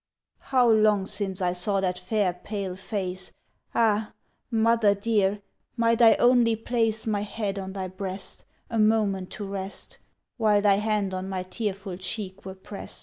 How long since I saw that fair pale face! Ah! Mother dear! might I only place My head on thy breast, a moment to rest, While thy hand on my tearful cheek were prest!